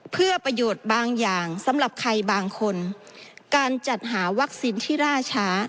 เพื่อประโยชน์บางอย่างสำหรับใครบางคนการจัดหาวัคซีนที่ล่าช้า